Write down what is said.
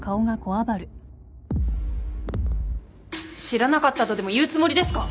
知らなかったとでも言うつもりですか？